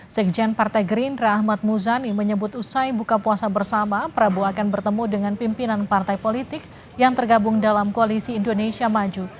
sekjen partai gerindra ahmad muzani menyebut usai buka puasa bersama prabowo akan bertemu dengan pimpinan partai politik yang tergabung dalam koalisi indonesia maju